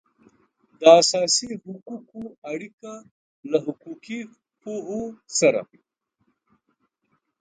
د اساسي حقوقو اړیکه له حقوقي پوهو سره